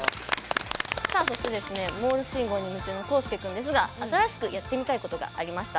モールス信号に夢中なコウスケ君ですが新しくやってみたいことがありました。